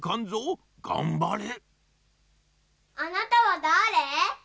あなたはだれ？